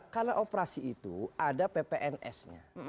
karena operasi itu ada ppns nya